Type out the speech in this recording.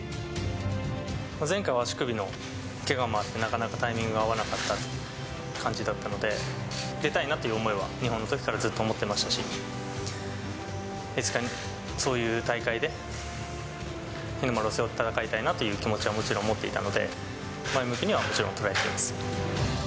前回は足首のけがもあって、なかなかタイミングが合わなかった感じだったので、出たいなという思いは、日本にいたときからずっと思ってましたし、いつかそういう大会で、日の丸を背負って戦いたいなという気持ちはもちろん持っていたので、前向きにはもちろん捉えています。